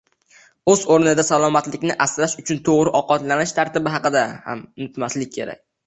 Oʻz oʻrnida salomatlikni asrash uchun toʻgʻri ovqatlanish tartibi haqida ham unutmaslik kerak.